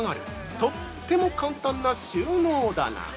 とっても簡単な収納棚！